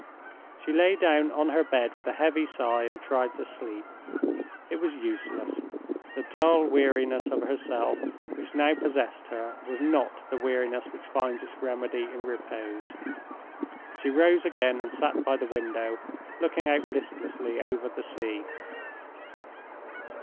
She lay down on her bed with a heavy sigh, and tried to sleep. It was useless. The dull weariness of herself which now possessed her was not the weariness which finds its remedy in repose. She rose again and sat by the window, looking out listlessly over the sea.